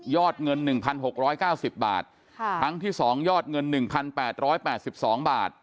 ยอดเงินหนึ่งพันหกร้อยเก้าสิบบาทค่ะครั้งที่สองยอดเงินหนึ่งพันแปดร้อยแปดสิบสองบาท